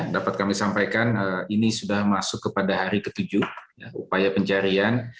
dapat kami sampaikan ini sudah masuk kepada hari ke tujuh upaya pencarian